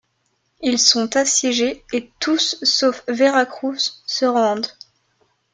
Ils sont assiégés et tous sauf Veracruz se rendent.